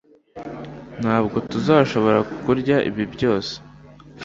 ntabwo tuzashobora kurya ibi byose